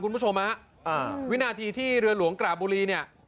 คุณผู้ชมฮะอ่าวินาทีที่เรือหลวงกระบุรีเนี่ย